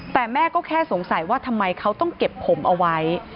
แต่แม่ก็แค่สงสัยว่าทำไมเขาต้องเก็บผมเอาไว้